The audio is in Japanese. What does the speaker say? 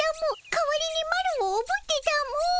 かわりにマロをおぶってたも。